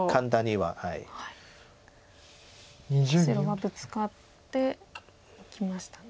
白はブツカっていきましたね。